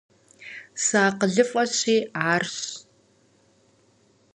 СыакъылыфӀэщи, арщ.